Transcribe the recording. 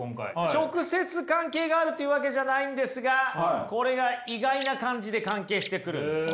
直接関係があるというわけじゃないんですがこれが意外な感じで関係してくるんです。